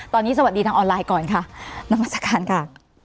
ตอนนี้สวัสดีทางออนไลน์ก่อนค่ะนามัศกาลค่ะ